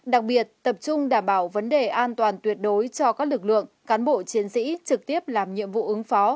đặc biệt tập trung đảm bảo vấn đề an toàn tuyệt đối cho các lực lượng cán bộ chiến sĩ trực tiếp làm nhiệm vụ ứng phó